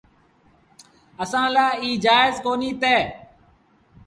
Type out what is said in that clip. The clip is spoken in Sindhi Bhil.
اسآݩٚ لآ ايٚ جآئيز ڪونهي تا